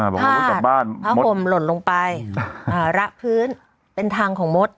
บ้านอ่าบอกว่าบ้านพระขมหล่นลงไปอ่าระพื้นเป็นทางของมด